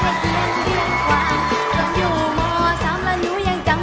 ใบเตยเลือกใช้ได้๓แผ่นป้ายตลอดทั้งการแข่งขัน